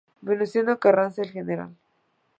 Venustiano Carranza, el Gral.